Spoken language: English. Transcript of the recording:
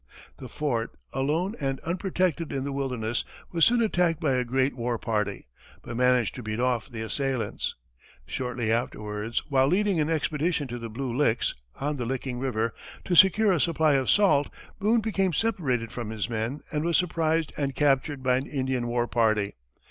The fort, alone and unprotected in the wilderness, was soon attacked by a great war party, but managed to beat off the assailants. Shortly afterwards, while leading an expedition to the Blue Licks, on the Licking river, to secure a supply of salt, Boone became separated from his men, and was surprised and captured by an Indian war party.